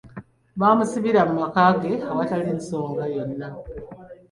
Bamusibira mu maka ge awatali nsoga yona.